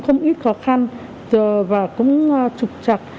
không ít khó khăn và cũng trục trặc